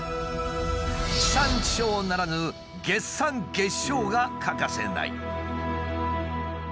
「地産地消」ならぬ「月産月消」が欠かせない。